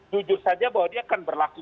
jujur saja bahwa dia akan berlaku